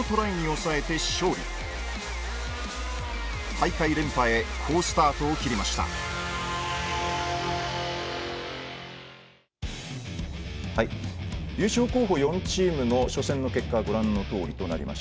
大会連覇へ好スタートを切りました優勝候補４チームの初戦の結果はご覧のとおりとなりました。